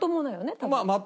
多分。